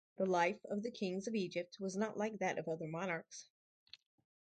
The life of the kings of Egypt was not like that of other monarchs.